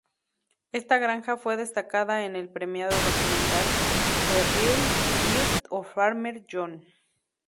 Esta granja fue destacada en el premiado documental "The Real Dirt on Farmer John".